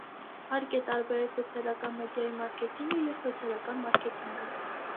Հարկ է տարբերել սոցիալական մեդիայի մարքեթինգը և սոցիալական մարքեթինգը։